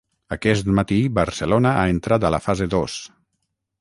Aquest matí Barcelona ha entrat a la fase dos.